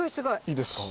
いいですか？